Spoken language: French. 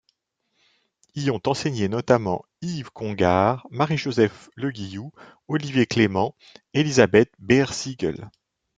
Y ont enseigné notamment, Yves Congar, Marie-Joseph Le Guillou, Olivier Clément, Élisabeth Behr-Sigel.